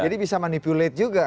jadi bisa manipulate juga